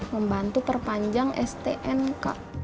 membantu perpanjang stn kak